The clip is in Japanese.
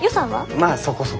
まあそこそこ。